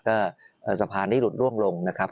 ก็สะพานนี้หลุดล่วงลงนะครับ